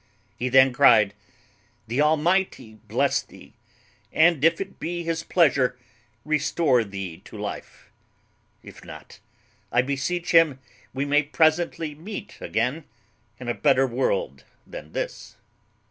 He then cryed, "The Almighty bless thee! and, if it be his pleasure, restore thee to life; if not, I beseech him we may presently meet again in a better world than this."